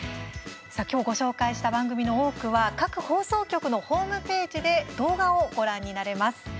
きょうご紹介した番組の多くは各放送局のホームページで動画をご覧になれます。